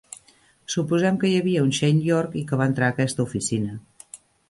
Suposem que hi havia un Shane York i que va entrar a aquesta oficina.